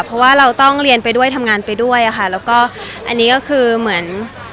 เพราะว่าเราต้องเรียนไปด้วยทำงานไปด้วยอะค่ะแล้วก็อันนี้ก็คือเหมือน